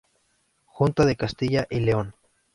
Junta de Castilla y Leon.